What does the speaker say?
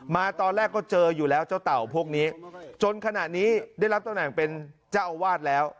มาตอนแรกก็เจออยู่แล้วเจ้าเต่าพวกนี้จนขณะนี้ได้รับตำแหน่งเป็นเจ้าอาวาสแล้ว